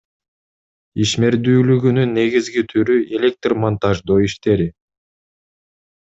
Ишмердүүлүгүнүн негизги түрү — электр монтаждоо иштери.